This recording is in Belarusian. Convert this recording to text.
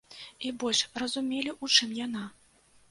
І больш разумелі, у чым яна.